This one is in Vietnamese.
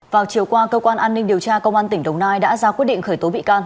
vào chiều qua cơ quan an ninh điều tra công an tỉnh đồng nai đã ra quyết định khởi tố bị can